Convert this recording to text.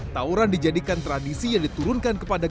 tauran dijadikan tradisi yang diturunkan kepada